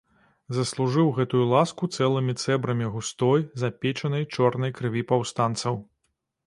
Заслужыў гэтую ласку цэлымі цэбрамі густой, запечанай, чорнай крыві паўстанцаў.